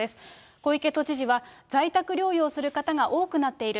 小池都知事は、在宅療養する方が多くなっている。